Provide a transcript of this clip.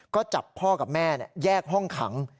ก็จับพ่อกับแม่แยกห้องขัง